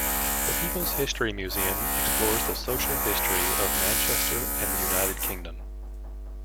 The People's History Museum explores the social history of Manchester and the United Kingdom.